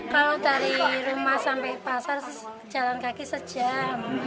kalau dari rumah sampai pasar jalan kaki sejam